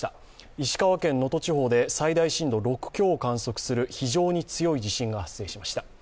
石川県能登地方で最大震度６強を観測する非常に強い地震が発生しました。